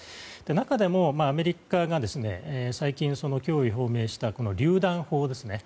中でも、アメリカが最近、供与を表明したりゅう弾砲ですね。